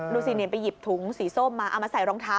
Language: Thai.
ดูสินี่ไปหยิบถุงสีส้มมาเอามาใส่รองเท้า